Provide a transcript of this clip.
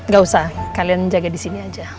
gak usah kalian jaga disini aja